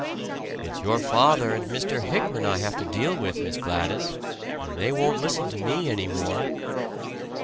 "It's your father and Mr. Hickman I have to deal with, Miss Gladys. And they won't listen to me any more!"